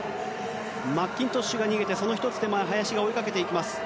マッキントッシュが逃げてその１つ手前林が追いかけていきます。